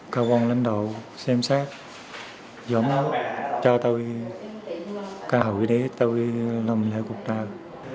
các bọn lãnh đạo xem xét giống đó cho tôi các hội đế tôi làm lễ cuộc đời